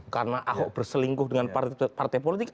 karena ahok berselingkuh dengan partai politik